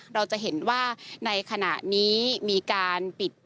เราจะเห็นว่าในขณะนี้มีการปิด